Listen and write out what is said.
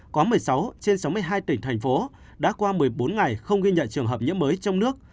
có một mươi sáu trên sáu mươi hai tỉnh thành phố đã qua một mươi bốn ngày không ghi nhận trường hợp nhiễm mới trong nước